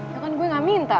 ya kan gue gak minta